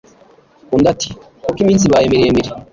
Undi ati « koko iminsi ibaye miremire